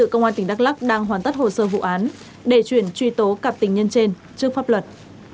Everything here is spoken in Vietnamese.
công an tỉnh đắk lắc đang hoàn tất hồ sơ vụ án để chuyển truy tố cặp tình nhân trên trước pháp luật